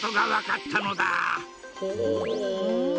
ほう！